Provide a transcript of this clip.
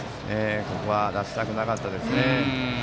ここは出したくなかったですね。